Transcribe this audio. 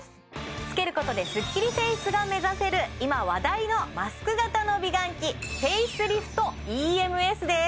つけることでスッキリフェイスが目指せる今話題のマスク型の美顔器フェイスリフトＥＭＳです